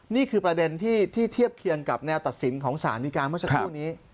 นี่คือประเด็นที่เทียบเคียงกับแนวตัดสินของสารดีการเมื่อสักครู่นี้